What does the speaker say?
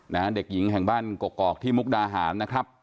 นะฮะเด็กหญิงแห่งบ้านกกอกที่มุกดาหารนะครับ